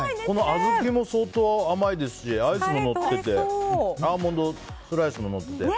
小豆も相当甘いですしアイスものっててアーモンドスライスものってて。